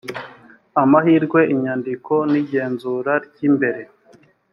amahirwe inyandiko n igenzura ry imbere